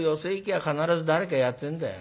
あ必ず誰かやってんだよ。